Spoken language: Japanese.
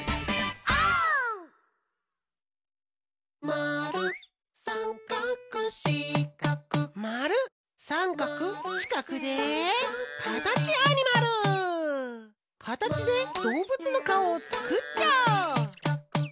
「まるさんかくしかく」まるさんかくしかくでカタチでどうぶつのかおをつくっちゃおう！